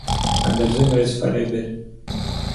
ווען דער זומער איז פאַראיבער